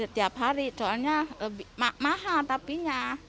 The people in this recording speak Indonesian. setiap hari soalnya mahal tapinya